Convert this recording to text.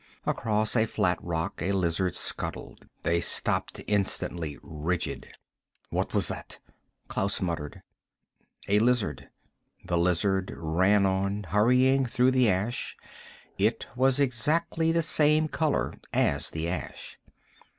Across a flat rock a lizard scuttled. They stopped instantly, rigid. "What was it?" Klaus muttered. "A lizard." The lizard ran on, hurrying through the ash. It was exactly the same color as the ash.